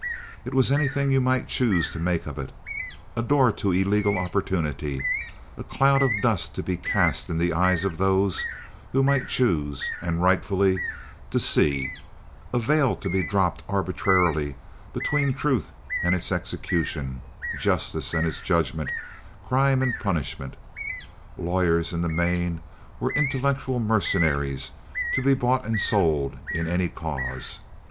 It was anything you might choose to make of it—a door to illegal opportunity; a cloud of dust to be cast in the eyes of those who might choose, and rightfully, to see; a veil to be dropped arbitrarily between truth and its execution, justice and its judgment, crime and punishment. Lawyers in the main were intellectual mercenaries to be bought and sold in any cause.